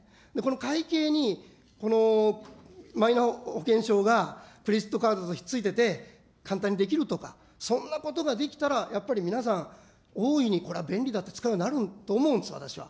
この会計にマイナ保険証がクレジットカードと引っ付いてて、簡単にできるとか、そんなことができたら、やっぱり皆さん、大いにこれは便利だって使うようになると思うんです、私は。